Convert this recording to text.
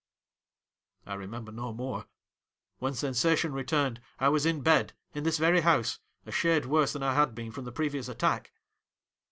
' I remember no more. When sensation re turned, I was in bed, in this very house, a shade worse than I had been from the previous attack.'